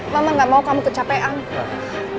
mama gak mau kamu kecapean